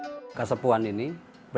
bicara dengan prova